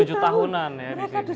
ini sudah lama ya berapa ini